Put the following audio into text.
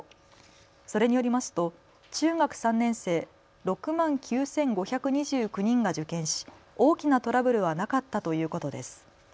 それによりますと中学３年生６万９５２９人が受験し大きなトラブルはなかったということです。